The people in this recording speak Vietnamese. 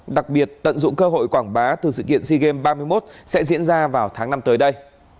đặc biệt tận dụng cơ hội quảng bá từ sự kiện sea games ba mươi một sẽ diễn ra vào tháng năm tới đây